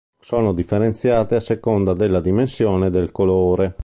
Sono differenziate a seconda della dimensione e del colore.